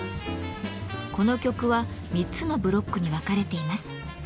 この曲は３つのブロックに分かれています。